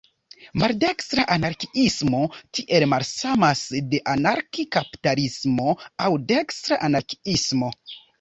Maldekstra anarkiismo tiel malsamas de anarki-kapitalismo aŭ "dekstra" anarkiismo.